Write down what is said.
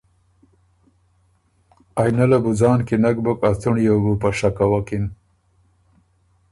آئینۀ له بُو ځان کی نک بُک ا څُنړيې وه بُو په شکه وکِن